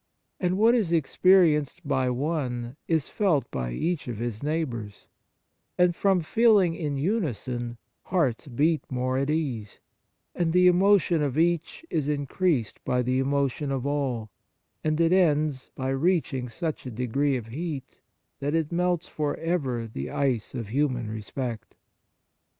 And what is experienced by one is felt by each of his neighbours ; and from feeling in unison, hearts beat more at ease ; and the emotion of each is increased by the emotion of all, and it ends by reaching such a degree of heat that it melts for ever the ice of human respect.